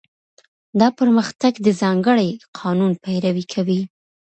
دا پرمختګ د ځانګړي قانون پیروي کوي.